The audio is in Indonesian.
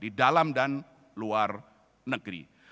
di dalam dan luar negeri